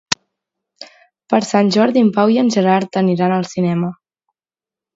Per Sant Jordi en Pau i en Gerard aniran al cinema.